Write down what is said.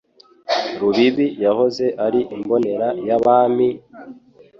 Rubibi yahoze ari imbonera y'Abami,